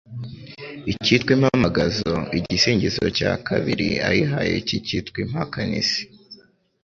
ikitwa impamagazo, igisingizo cya kabiri ayihaye kikitwa impakanizi